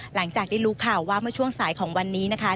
หลังจากได้รู้ข่าวว่าเมื่อช่วงสายของวันนี้นะคะ